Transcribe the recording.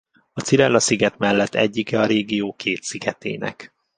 A Cirella-sziget mellett egyike a régió két szigetének.